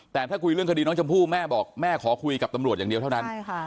แต่ถ้าคุยเรื่องคดีน้องชมพู่แม่บอกแม่ขอคุยกับตำรวจอย่างเดียวเท่านั้น